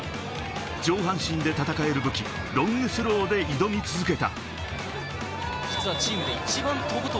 上半身で戦える武器、ロングスローで挑み続けた。